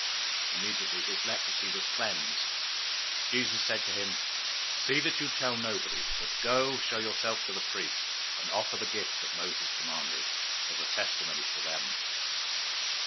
Immediately his leprosy was cleansed. 008:004 Jesus said to him, "See that you tell nobody, but go, show yourself to the priest, and offer the gift that Moses commanded, as a testimony to them."